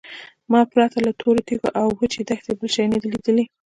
ما پرته له تورو تیږو او وچې دښتې بل شی نه دی لیدلی.